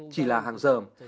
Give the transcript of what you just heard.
chỉ là hàng dờm